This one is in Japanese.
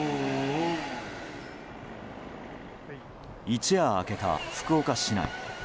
一夜明けた福岡市内。